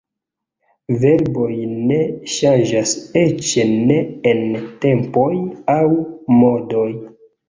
Verboj ne ŝanĝas eĉ ne en tempoj aŭ modoj.